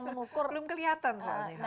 belum kelihatan soalnya